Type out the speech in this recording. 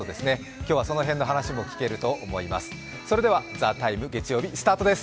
今日はその辺の話も聞けると思います。